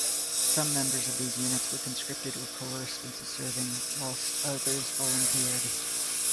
Some members of these units were conscripted or coerced into serving, whilst others volunteered.